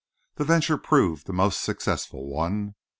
The venture proved a most successful one.